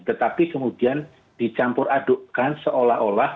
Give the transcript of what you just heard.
tetapi kemudian dicampur adukkan seolah olah